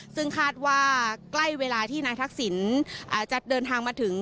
ซึ่งคาดว่าใกล้เวลาที่นายทักษิณจะเดินทางมาถึง